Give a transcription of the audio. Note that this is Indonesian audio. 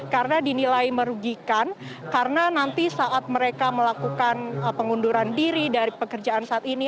karena dinilai merugikan karena nanti saat mereka melakukan pengunduran diri dari pekerjaan saat ini